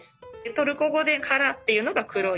トルコ語でカラっていうのが黒い。